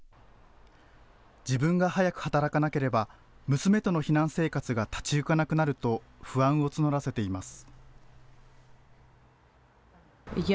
自分が早く働かなければ娘との避難生活が立ち行かなくなると不安を募らせています。